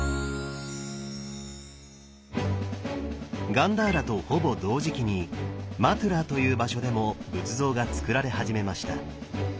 ガンダーラとほぼ同時期にマトゥラーという場所でも仏像がつくられ始めました。